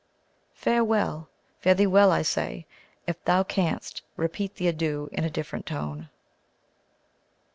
Farewell! Fare thee well, I say; if thou canst, repeat the adieu in a different tone.